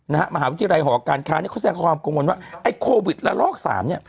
มหาวิทยาลัยหอการค้าเนี้ยเขาแสดงความกังวลว่าไอ้โควิดละลอกสามเนี้ย